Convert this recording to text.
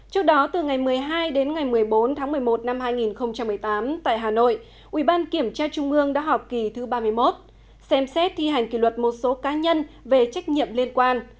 trước đó từ ngày một mươi hai đến ngày một mươi bốn tháng một mươi một năm hai nghìn một mươi tám tại hà nội ubkt đã họp kỳ thứ ba mươi một xem xét thi hành kỷ luật một số cá nhân về trách nhiệm liên quan